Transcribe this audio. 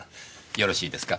よろしいですか？